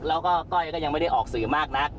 แล้วก็ก้อยก็ยังไม่ได้ออกสื่อมากนัก